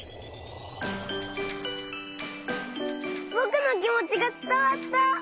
ぼくのきもちがつたわった！